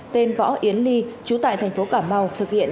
tên võ yến ly trú tại thành phố cà mau thực hiện